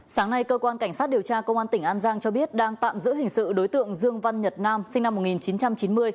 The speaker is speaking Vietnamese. sáng nay cơ quan cảnh sát điều tra công an tỉnh an giang cho biết đang tạm giữ hình sự đối tượng dương văn nhật nam sinh năm một nghìn chín trăm chín mươi